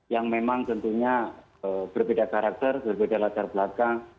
yang memang tentunya berbeda karakter berbeda latar belakang